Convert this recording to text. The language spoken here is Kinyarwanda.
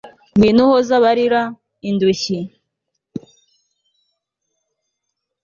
ngwino uhoze abarira, indushyi